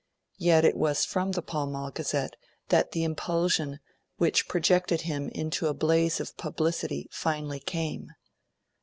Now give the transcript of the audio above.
Yet it was from the "Pall Mall Gazette" that the impulsion which projected him into a blaze of publicity finally came.